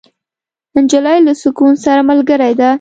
نجلۍ له سکون سره ملګرې ده.